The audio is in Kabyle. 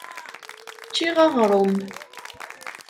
Ččiɣ aɣrum.